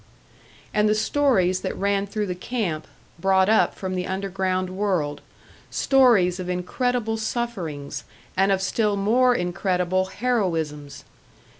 And the stories that ran through the camp brought up from the underground world stories of incredible sufferings, and of still more incredible heroisms!